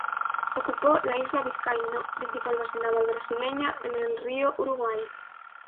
Ocupó la Isla Vizcaíno, principal base naval brasileña en el río Uruguay.